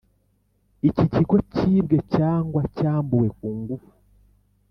icyi kigo cyibwe cyangwa cyambuwe ku ngufu